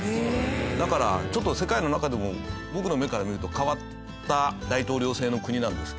だからちょっと世界の中でも僕の目から見ると変わった大統領制の国なんですけど。